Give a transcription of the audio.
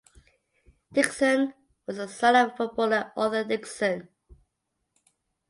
Dixon was the son of footballer Arthur Dixon.